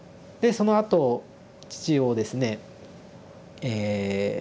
そのあと父をですねえ